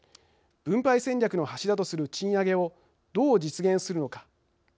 分配戦略の柱とする賃上げをどう実現するのか。